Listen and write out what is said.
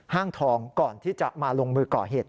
ห้างทองก่อนที่จะมาลงมือก่อเหตุ